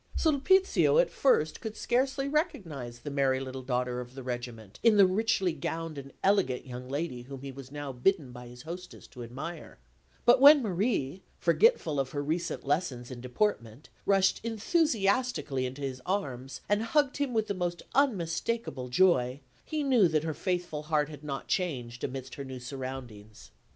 Sulpizio at first could scarcely recognise the merry little Daughter of the Regiment in the richly gowned and elegant young lady whom he was now bidden by his hostess to admire; but when Marie, forgetful of her recent lessons in deportment, rushed enthusiastically into his arms, and hugged him with the most unmistakable joy, he knew that her faithful heart had not changed amidst her new surroundings.